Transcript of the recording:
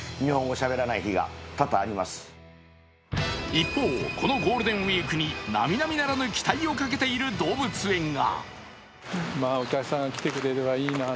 一方、このゴールデンウイークになみなみならぬ期待をかけている動物園が。